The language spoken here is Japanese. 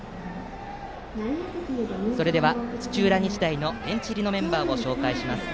それでは土浦日大のベンチ入りのメンバーです。